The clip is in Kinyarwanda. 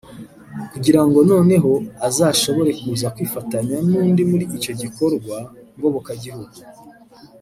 kugira ngo noneho azashobore kuza kwifatanya n’andi muri icyo gikorwa ngobokagihugu